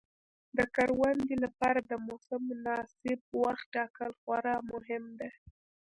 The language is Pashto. د کروندې لپاره د موسم مناسب وخت ټاکل خورا مهم دي.